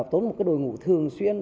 tốn một đội ngũ thường xuyên